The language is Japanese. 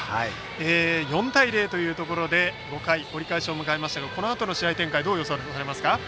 ４対０というところで５回、折り返しを迎えましたがこのあとの試合展開どう予想されますか？